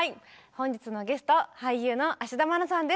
本日のゲスト俳優の田愛菜さんです。